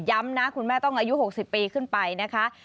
นะคุณแม่ต้องอายุ๖๐ปีขึ้นไปนะคะ